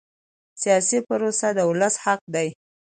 سیاسي پروسه د ولس حق دی